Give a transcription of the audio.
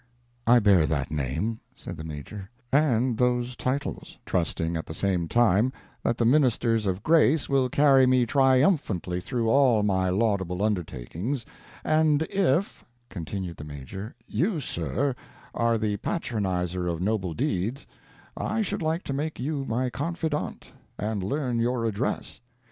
"I bear that name," said the Major, "and those titles, trusting at the same time that the ministers of grace will carry me triumphantly through all my laudable undertakings, and if," continued the Major, "you, sir, are the patronizer of noble deeds, I should like to make you my confidant and learn your address."